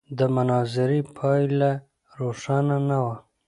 د مناظرې پایله روښانه نه وه.